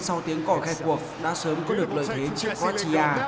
sau tiếng cỏ khai cuộc đã sớm có được lợi thế trị quartia